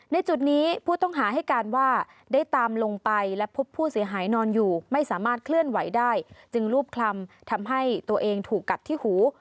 จุดนี้ผู้ต้องหาให้การว่าได้ตามลงไปและพบผู้เสียหายนอนอยู่ไม่สามารถเคลื่อนไหวได้จึงรูปคลำทำให้ตัวเองถูกกัดที่หู